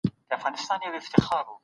ما تاته د پرون د خوب تعبير پر مخ ګنډلی